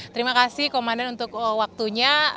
terima kasih komandan untuk waktunya